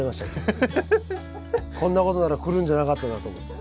こんなことなら来るんじゃなかったなと思って。